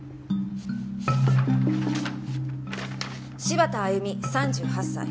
柴田亜弓３８歳。